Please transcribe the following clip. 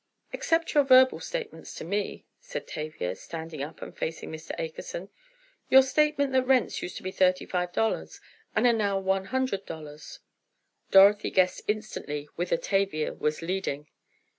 "Except your verbal statements to me," said Tavia, standing up and facing Mr. Akerson. "Your statement that rents used to be thirty five dollars, and are now one hundred dollars." Dorothy guessed instantly whither Tavia was leading.